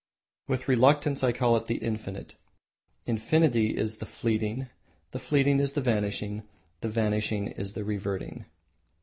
With reluctance I call it the Infinite. Infinity is the Fleeting, the Fleeting is the Vanishing, the Vanishing is the Reverting."